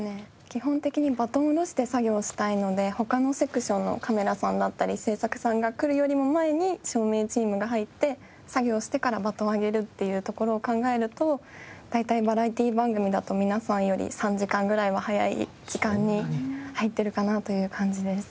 基本的にバトンを降ろして作業したいので他のセクションのカメラさんだったり制作さんが来るよりも前に照明チームが入って作業をしてからバトンを上げるっていうところを考えると大体バラエティー番組だと皆さんより３時間ぐらいは早い時間に入ってるかなという感じです。